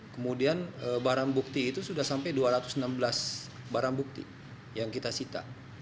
kemudian barang bukti itu sudah sampai dua ratus enam belas barang bukti yang kita sita